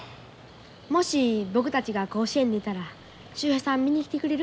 もし僕たちが甲子園に出たら秀平さん見に来てくれる？